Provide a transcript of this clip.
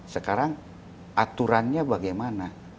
sekarang aturannya bagaimana